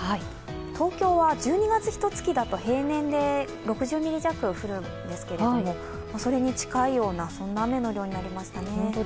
東京は１２月、ひと月だと平年で６０ミリ弱降るんですけれども、それに近いような雨の量になりましたね。